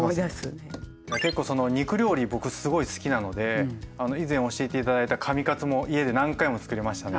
結構その肉料理僕すごい好きなので以前教えて頂いた紙カツも家で何回もつくりましたね。